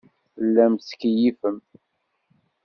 Tellam tettkeyyifem.